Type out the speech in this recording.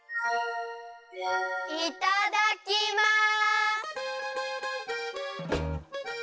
いただきます！